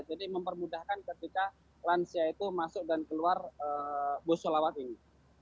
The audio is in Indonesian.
jadi mempermudahkan ketika lansia itu masuk dan keluar busolawat ini